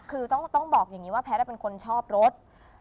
คือต้องบอกอย่างนี้ว่าแพทย์เป็นคนชอบรถ